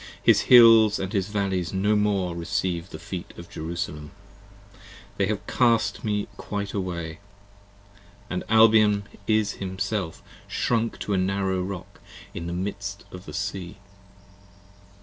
his hills & his valleys no more Recieve the feet of Jerusalem : they have cast me quite away : And Albion is himself shrunk to a narrow rock in the midst of the sea!